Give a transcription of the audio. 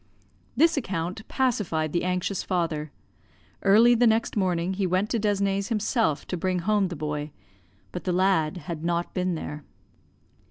This account pacified the anxious father. Early the next morning he went to Desne's himself to bring home the boy, but the lad had not been there.